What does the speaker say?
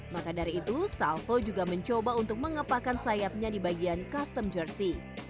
maka dari itu salvo juga mencoba untuk mengepakan sayapnya di bagian custom jersey